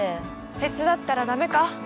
手伝ったらダメか？